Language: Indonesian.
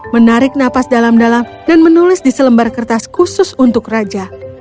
menarik nafas dalam dalam dan menulis di selembar kertas khusus untuk raja